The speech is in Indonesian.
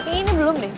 ini belum deh